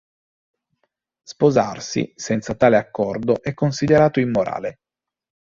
Sposarsi senza tale accordo è considerato immorale.